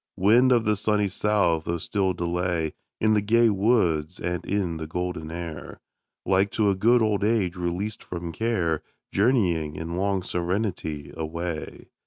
Wind of the sunny south! oh still delay In the gay woods and in the golden air, Like to a good old age released from care, Journeying, in long serenity, away.